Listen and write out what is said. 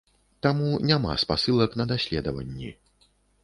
Таму няма спасылак на даследаванні.